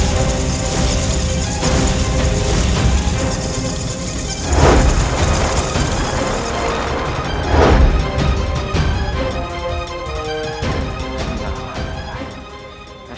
mari ke sana